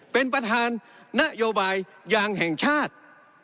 เป็นประธานนโยบายยางแห่งชาติ